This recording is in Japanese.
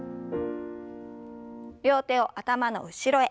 両手を頭の後ろへ。